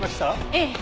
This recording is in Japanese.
ええ。